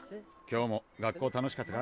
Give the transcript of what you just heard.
今日も学校楽しかった？